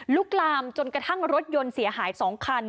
ลุกลามจนกระทั่งรถยนต์เสียหาย๒คัน